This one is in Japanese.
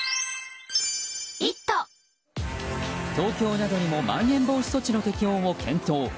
東京などにもまん延防止措置の適用を検討。